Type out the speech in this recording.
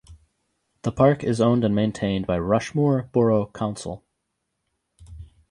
The park is owned and maintained by Rushmoor Borough Council.